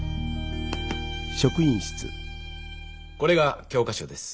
これが教科書です。